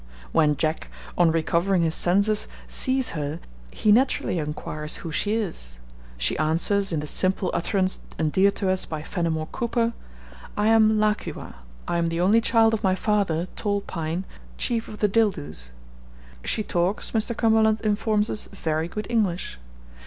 When Jack, on recovering his senses, sees her, he naturally inquires who she is. She answers, in the simple utterance endeared to us by Fenimore Cooper, 'I am La ki wa. I am the only child of my father, Tall Pine, chief of the Dildoos.' She talks, Mr. Cumberland informs us, very good English.